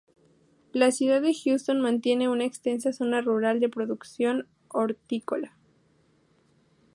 La ciudad de Hudson mantiene una extensa zona rural de producción hortícola.